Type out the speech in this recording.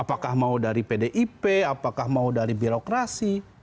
apakah mau dari pdip apakah mau dari birokrasi